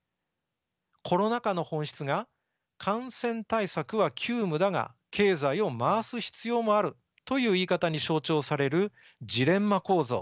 コロナ禍の本質が「感染対策は急務だが経済を回す必要もある」という言い方に象徴されるジレンマ構造